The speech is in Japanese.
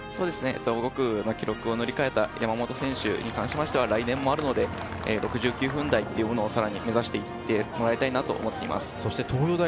５区の記録を塗り替えた山本選手に関して、来年もあるので６９分台を目指していってもらいたいと思っています。